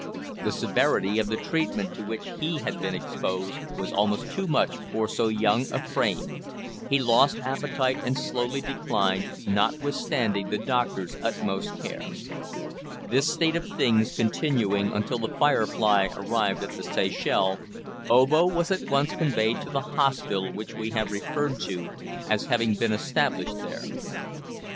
The severity of the treatment to which he had been exposed was almost too much for so young a frame. He lost appetite and slowly declined, notwithstanding the doctor's utmost care. This state of things continuing until the `Firefly' arrived at the Seychelles, Obo was at once conveyed to the hospital which we have referred to as having been established there.